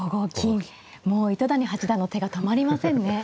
もう糸谷八段の手が止まりませんね。